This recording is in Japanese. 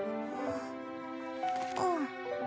うん。